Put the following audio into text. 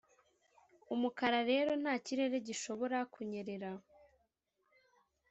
umukara rero nta kirere gishobora kunyerera.